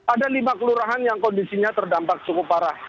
ada lima kelurahan yang kondisinya terdampak cukup parah